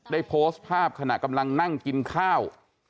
ได้โพสต์ภาพขณะกำลังนั่งกินข้าว